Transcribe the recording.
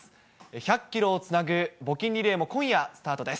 １００キロをつなぐ募金リレーも今夜スタートです。